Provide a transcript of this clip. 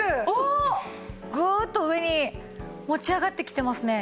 グーッと上に持ち上がってきてますね